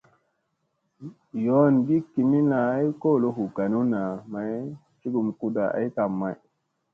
Yoongi kimilla ay kolo hu ganunna may cugum kuda ay kam may.